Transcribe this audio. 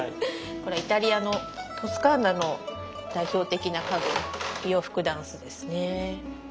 これイタリアのトスカーナの代表的な家具洋服ダンスですね。